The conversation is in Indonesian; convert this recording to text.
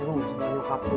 kamu gak suka nyokap lu